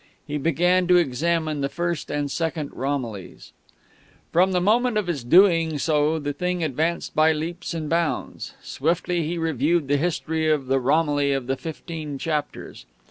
He began to examine the first and second Romillys. From the moment of his doing so the thing advanced by leaps and bounds. Swiftly he reviewed the history of the Romilly of the fifteen chapters.